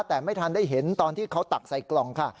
แต่ไม่ทันได้เห็นตอนที่เขาตักใส่กล่องค่ะ